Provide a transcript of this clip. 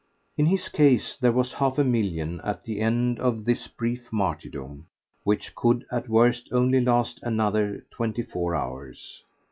In his case there was half a million at the end of his brief martyrdom, which could, at worst, only last another twenty four hours.